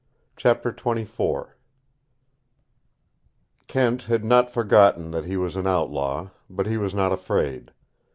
CHAPTER XXIV Kent had not forgotten that he was an outlaw, but he was not afraid.